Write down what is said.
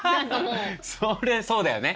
それそうだよね。